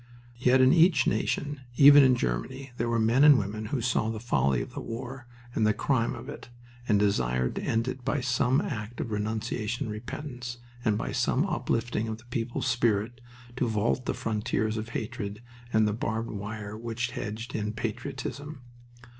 Yet in each nation, even in Germany, there were men and women who saw the folly of the war and the crime of it, and desired to end it by some act of renunciation and repentance, and by some uplifting of the people's spirit to vault the frontiers of hatred and the barbed wire which hedged in patriotism.